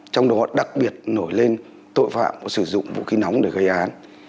trong đó đặc biệt nổi lên tội phạm có sử dụng vũ khí nóng để gây án